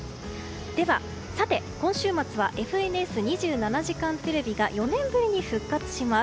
さて、今週末は「ＦＮＳ２７時間テレビ」が４年ぶりに復活します。